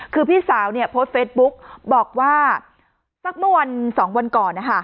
คือพี่สาวเนียโพสต์เฟซบุ๊กบอกว่าสักเมื่อวันสองวันก่อนอ่ะฮะ